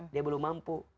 dia belum mampu